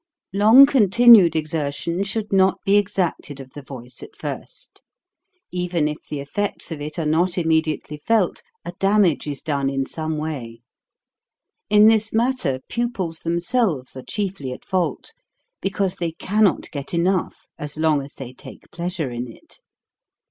Long continued exertion should not be exacted of the voice at first ; even if the effects of it are not immediately felt, a damage is done in ' some way. In this matter pupils themselves are chiefly at fault, because they cannot get enough, as long as they take pleas ure in it.